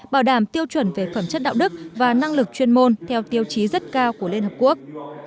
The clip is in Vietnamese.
bảo đảm tiêu chuẩn về phẩm chất đạo đức và năng lực chuyên môn theo tiêu chí rất cao của liên hợp quốc